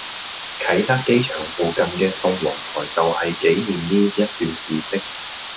啟德機場附近嘅宋王臺就係紀念呢一段事跡